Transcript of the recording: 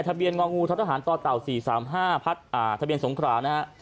เบียงองูททหารต่อเต่า๔๓๕ทะเบียนสงขรานะฮะ